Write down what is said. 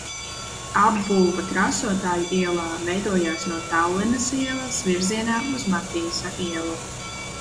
Apbūve Krāsotāju ielā veidojās no Tallinas ielas virzienā uz Matīsa ielu.